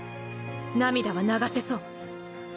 涙は流せそう？